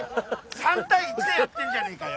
対１でやってんじゃねえかよ。